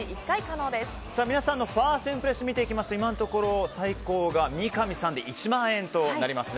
皆さんのファーストインプレッションを見ますと今のところ最高が三上さんで１万円です。